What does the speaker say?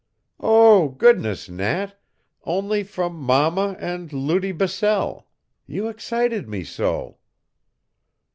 "Oh, goodness, Nat only from mama and Lutie Bissell. You excited me so!"